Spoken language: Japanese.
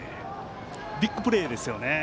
ビッグプレーですよね。